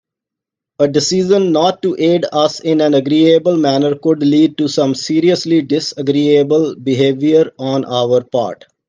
A decision not to aid us in an agreeable manner could lead to some seriously disagreeable behaviour on our part.